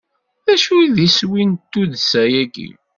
D acu i d iswi n tuddsa-agi?